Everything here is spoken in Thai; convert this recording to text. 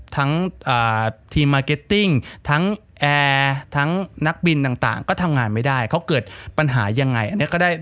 ทั้งทีมมาร์เก็ตติ้งทั้งแอร์ทั้งนักบินต่างก็ทำงานไม่ได้เขาเกิดปัญหายังไงอันนี้ก็ได้